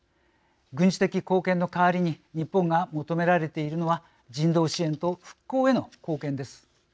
軍事的貢献の代わりに日本が求められているのは人道支援と復興への貢献です。